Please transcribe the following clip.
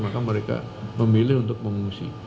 maka mereka memilih untuk mengungsi